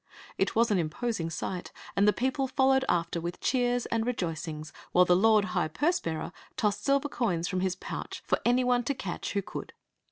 ft was an imposing sight, and the people followed afte w th cheers and rejoicings, wMle the lord high p se h .irer tossed silver coins from his pouch for an to catch who could.